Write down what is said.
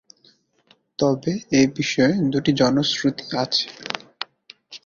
তবে এ বিষয়ে দুটি জনশ্রুতি আছে।